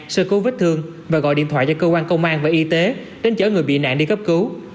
sơ cứu vết thương và gọi điện thoại cho cơ quan công an và y tế đến chở người bị nạn đi cấp cứu